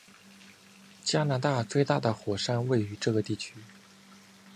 加拿大最大的火山位于这个地区。